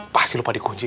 pasti lupa dikunci